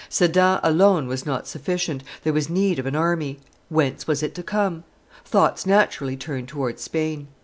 Sedan alone was not sufficient; there was need of an army. Whence was it to come? Thoughts naturally turned towards Spain.